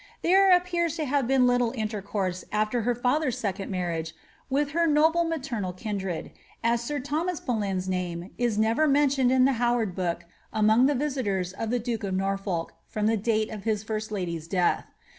There appears to have been litUe intercourse, after her father^s second marriage, with her noble maternal kindred, as sir Thomas Boleyn's name is never mentioned in the Howard book among the visitors to tiie duke of Norfolk from the date of hii first lady's death.